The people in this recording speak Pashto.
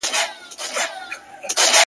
زموږ پر مځکه په هوا کي دښمنان دي!!